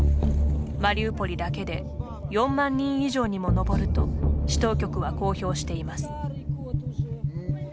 マリウポリだけで４万人以上にも上ると市当局は公表しています。